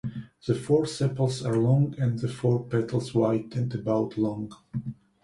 The four sepals are long and the four petals white and about long.